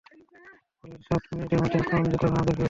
পরের সাত মিনিটের মধ্যেই আক্রমণে যেতে হবে আমাদের!